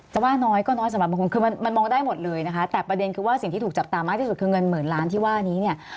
ว่าน้อยก็น้อยสำหรับบางคนคือมันมันมองได้หมดเลยนะคะแต่ประเด็นคือว่าสิ่งที่ถูกจับตามากที่สุดคือเงินหมื่นล้านที่ว่านี้เนี่ย